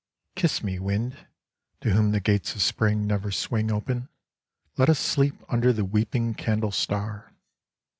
Kiss me, Wind, to whom the gates of Spring never swing open, let us sleep under the weeping candle star